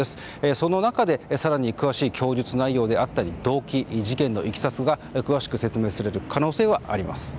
その中で更に詳しい供述内容であったり動機、事件のいきさつが詳しく説明される可能性はあります。